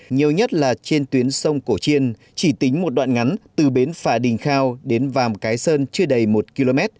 nhiều nhất là trên tuyến sông cổ chiên chỉ tính một đoạn ngắn từ bến phà đình khao đến vàm cái sơn chưa đầy một km